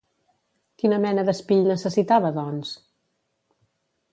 Quina mena d'espill necessitava, doncs?